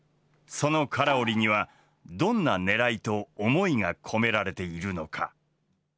その唐織にはどんなねらいと思いが込められているのか。